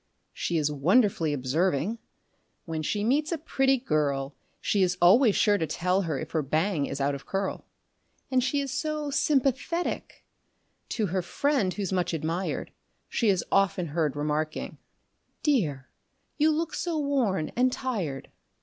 She is wonderfully observing. When she meets a pretty girl She is always sure to tell her if her "bang" is out of curl. And she is so sympathetic; to her friend who's much admired, She is often heard remarking: "Dear, you look so worn and tired!"